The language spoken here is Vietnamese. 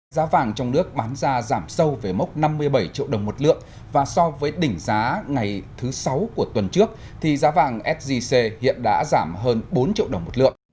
giá vàng trong nước bán ra giảm sâu về mốc năm mươi bảy triệu đồng một lượng và so với đỉnh giá ngày thứ sáu của tuần trước thì giá vàng sgc hiện đã giảm hơn bốn triệu đồng một lượng